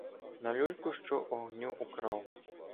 На люльку що огню украв.